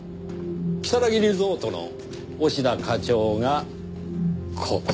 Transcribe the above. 如月リゾートの押田課長がここ。